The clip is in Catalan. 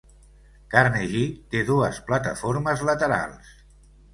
Carnegie té dues plataformes laterals.